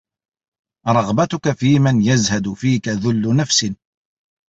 رَغْبَتُك فِيمَنْ يَزْهَدُ فِيك ذُلُّ نَفْسٍ